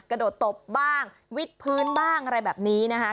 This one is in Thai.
กระโดดตบบ้างวิดพื้นบ้างอะไรแบบนี้นะคะ